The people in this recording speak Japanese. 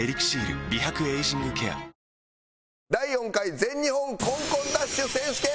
新「ＥＬＩＸＩＲ」第４回全日本コンコンダッシュ選手権！